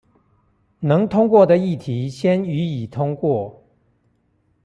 能通過的議題先予以通過